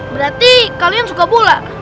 berarti kalian suka bola